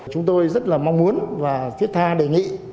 chúng tôi rất là mong muốn và thiết tha đề nghị